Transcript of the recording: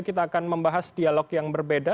kita akan membahas dialog yang berbeda